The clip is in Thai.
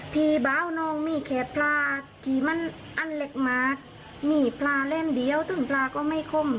พี่เบาน้องมีแค่ปลาที่มันอันเหล็กหมาดมีปลาเล่มเดียวถึงปลาก็ไม่คม